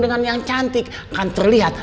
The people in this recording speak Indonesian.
dengan yang cantik akan terlihat